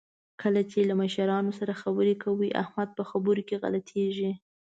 کله چې له مشرانو سره خبرې کوي، احمد په خبرو کې غلطېږي.